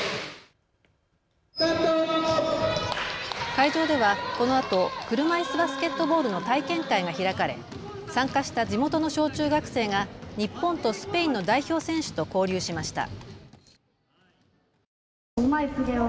会場ではこのあと車いすバスケットボールの体験会が開かれ参加した地元の小中学生が日本とスペインの代表選手と交流しました。